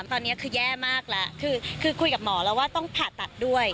ตอนนี้คือแย่มากแล้วคือคุยกับหมอแล้วว่าต้องผ่าตัดด้วย